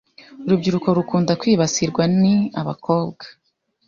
Urubyiruko rukunda kwibasirwa ni abakobwa